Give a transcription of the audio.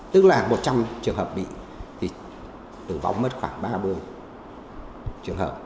tức là một trăm linh trường hợp bị thì tử vong mất khoảng ba mươi trường hợp